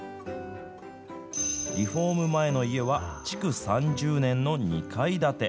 リフォーム前の家は築３０年の２階建て。